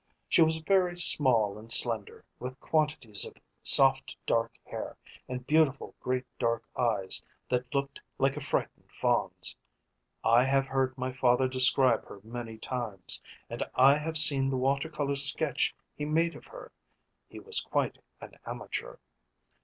She was very small and slender, with quantities of soft dark hair and beautiful great dark eyes that looked like a frightened fawn's. I have heard my father describe her many times, and I have seen the water colour sketch he made of her he was quite an amateur.